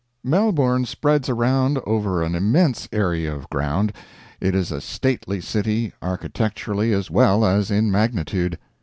Melbourne spreads around over an immense area of ground. It is a stately city architecturally as well as in magnitude.